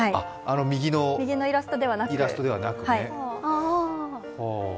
右のイラストではなく。